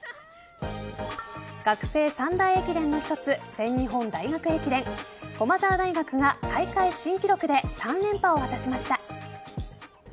学生三大駅伝の一つ全日本大学駅伝駒澤大学が大会新記録で３連覇を果たしました。